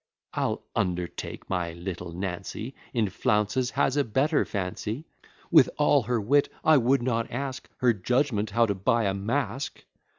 I'll undertake, my little Nancy In flounces has a better fancy; With all her wit, I would not ask Her judgment how to buy a mask.